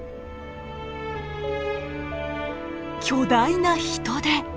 巨大なヒトデ！